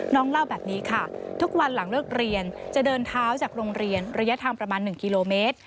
เล่าแบบนี้ค่ะทุกวันหลังเลิกเรียนจะเดินเท้าจากโรงเรียนระยะทางประมาณ๑กิโลเมตร